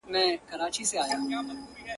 • گلاب جانانه ته مي مه هېروه.